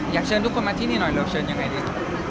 อยากเชิญทุกคนมาที่นี่หน่อยเราเชิญยังไงดี